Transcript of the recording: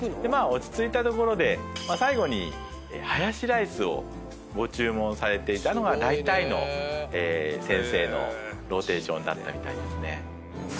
まあ落ち着いたところで最後にハヤシライスをご注文されていたのがだいたいの先生のローテーションだったみたいですね。